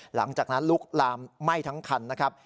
หลังจากนั้นลุกลามไหม้ทั้งคันนะครับ